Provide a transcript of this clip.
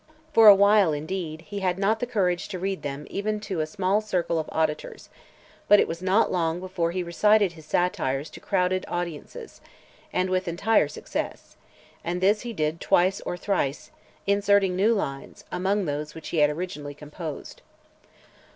For a while indeed, he had not the courage to read them even to a small circle of auditors, but it was not long before he recited his satires to crowded audiences, and with entire success; and this he did twice or thrice, inserting new lines among those which he had originally composed.